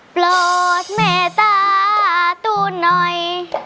โปรดแม่ตาตูนหน่อย